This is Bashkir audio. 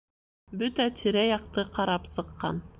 Бөтә тирә-яҡты ҡарап сыҡҡан.